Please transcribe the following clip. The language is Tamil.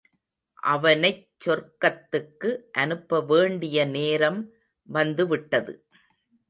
அவனைச் சொர்க்கத்துக்கு அனுப்ப வேண்டிய நேரம் வந்து விட்டது.